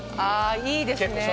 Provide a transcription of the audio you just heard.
いいですね。